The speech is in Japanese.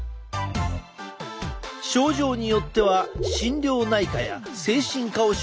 症状によっては心療内科や精神科を紹介されることもある。